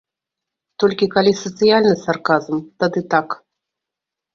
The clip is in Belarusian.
Толькі калі сацыяльны сарказм, тады так!